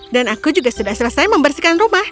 dan aku juga sudah selesai membersihkan rumah